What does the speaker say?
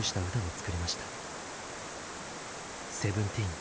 「セブンティーン」。